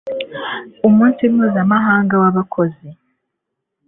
umunsi mpuzamahanga w'abakozi